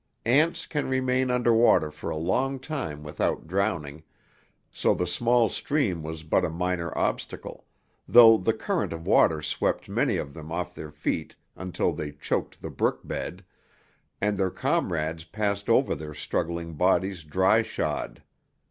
Ants can remain under water for a long time without drowning, so the small stream was but a minor obstacle, though the current of water swept many of them off their feet until they choked the brook bed, and their comrades passed over their struggling bodies dry shod.